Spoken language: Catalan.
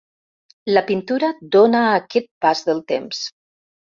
La pintura dóna aquest pas del temps.